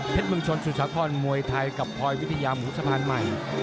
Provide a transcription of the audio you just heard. เมืองชนสุสาครมวยไทยกับพลอยวิทยาหมูสะพานใหม่